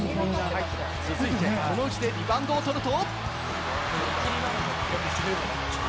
続いて、この時点でリバウンドを取ると。